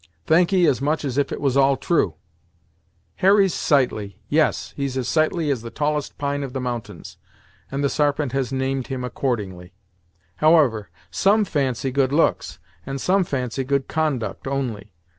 "Thankee as much as if it was all true. Harry's sightly yes, he's as sightly as the tallest pine of the mountains, and the Sarpent has named him accordingly; however, some fancy good looks, and some fancy good conduct, only.